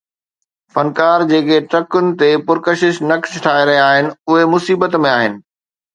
فنڪار جيڪي ٽرڪن تي پرڪشش نقش ٺاهي رهيا آهن، اهي مصيبت ۾ آهن